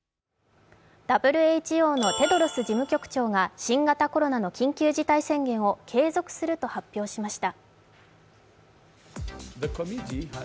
ＷＨＯのテドロス事務局長が新型コロナの緊急事態宣言を継続すると発表しました。